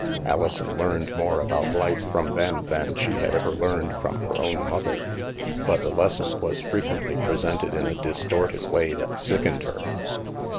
Alison learned more about life from them than she had ever learned from her own mother. But the lesson was frequently presented in a dis torted way that sickened her.